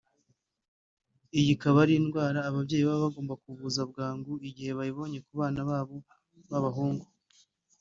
Iyi ikaba ari indwara ababyeyi baba bagomba kuvuza bwangu igihe bayibonye ku bana babo b’abahungu